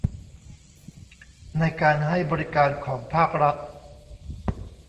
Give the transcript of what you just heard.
ในการให้บริการของภาครัฐ